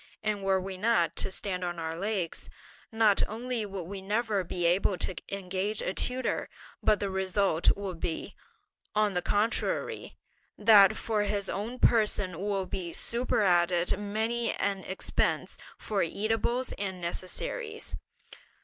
and were we not to stand on our legs, not only would we never be able to engage a tutor, but the result will be, on the contrary, that for his own person will be superadded many an expense for eatables and necessaries."